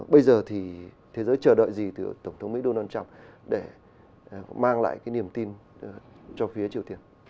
bây giờ thì thế giới chờ đợi gì từ tổng thống mỹ donald trump để mang lại cái niềm tin cho phía triều tiên